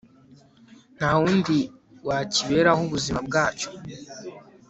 nta wundi wakiberaho ubuzima bwacyo